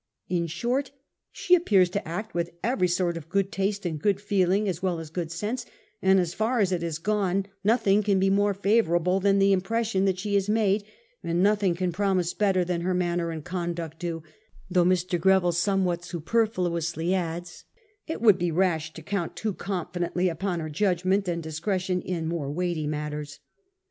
... In short, she appears to act with every sort of good taste and good feeling, as well as good sense ; and as far as it has gone nothing can be more favourable than the impression she has made, and nothing can promise better than her man ner and conduct do ; though,' Mr. Greville some what superfluously adds, £ it would be rash to count too confidently upon her judgment and discretion in more weighty matters.